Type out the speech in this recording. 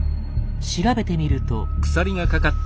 調べてみると。